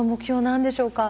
何でしょうか？